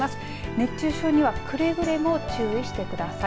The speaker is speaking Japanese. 熱中症には、くれぐれも注意してください。